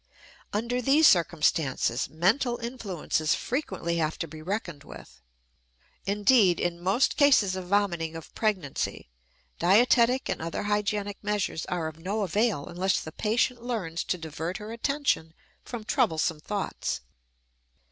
Under these circumstances mental influences frequently have to be reckoned with. Indeed, in most cases of vomiting of pregnancy dietetic and other hygienic measures are of no avail unless the patient learns to divert her attention from troublesome thoughts.